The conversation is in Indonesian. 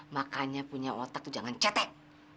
makanya punya otak itu jangan cetek